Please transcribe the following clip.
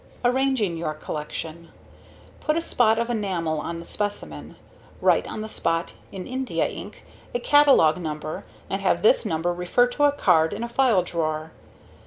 Arranging Your Collection Put a spot of enamel on the specimen. Write on the spot in India ink a catalog number and have this number refer to a card in a file drawer.